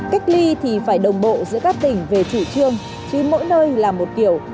cách ly thì phải đồng bộ giữa các tỉnh về chủ trương chứ mỗi nơi là một kiểu